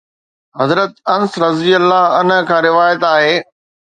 حضرت انس رضي الله عنه کان روايت آهي.